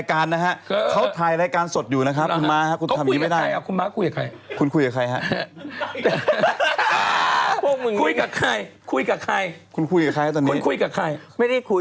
คุณคุยกับใครครับตอนนี้คุณคุยกับใครไม่ได้คุยคือคุย